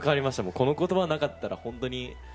この言葉がなかったら本当に。